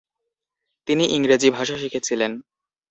তিনি ইংরেজি ভাষা শিখেছিলেন।